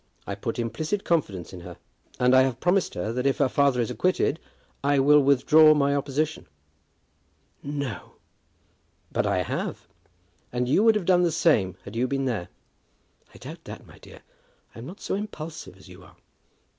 I put implicit confidence in her. And I have promised her that if her father is acquitted, I will withdraw my opposition." "No!" "But I have. And you would have done the same had you been there." "I doubt that, my dear. I am not so impulsive as you are."